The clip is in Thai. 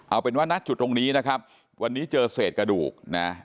เอาเป็นว่าณจุดตรงนี้นะครับวันนี้เจอเศษกระดูกนะ